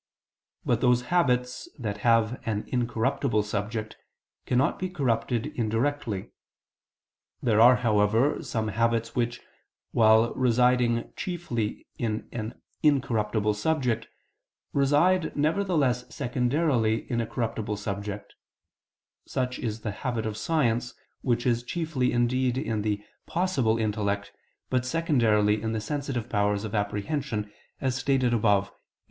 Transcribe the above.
But those habits that have an incorruptible subject, cannot be corrupted indirectly. There are, however, some habits which, while residing chiefly in an incorruptible subject, reside nevertheless secondarily in a corruptible subject; such is the habit of science which is chiefly indeed in the "possible" intellect, but secondarily in the sensitive powers of apprehension, as stated above (Q.